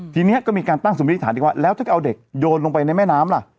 ทีนี้ก็มีการตั้งสมมติฐานอีกว่าแล้วถ้าจะเอาเด็กโยนลงไปในแม่น้ำล่ะ